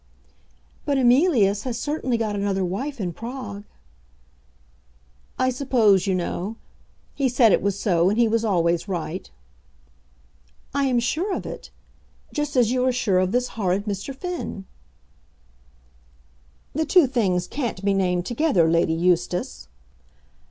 "But Emilius has certainly got another wife in Prague." "I suppose you know. He said it was so, and he was always right." "I am sure of it, just as you are sure of this horrid Mr. Finn." "The two things can't be named together, Lady Eustace."